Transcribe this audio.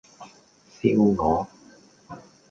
燒鵝